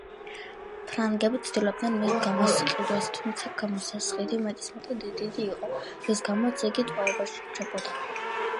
ფრანგები ცდილობდნენ მის გამოსყიდვას, თუმცა გამოსასყიდი მეტისმეტად დიდი იყო, რის გამოც იგი ტყვეობაში რჩებოდა.